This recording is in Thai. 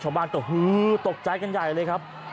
ผู้ชมบ้านตกใจกันใหญ่เลยครับ